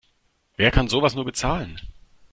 Wer kann sowas nur bezahlen?